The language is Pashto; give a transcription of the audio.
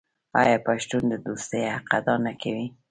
آیا پښتون د دوستۍ حق ادا نه کوي؟